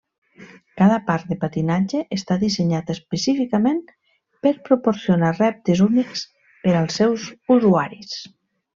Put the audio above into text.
Cada parc de patinatge està dissenyat específicament per proporcionar reptes únics per als seus usuaris.